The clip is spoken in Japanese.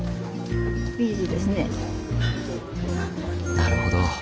なるほど。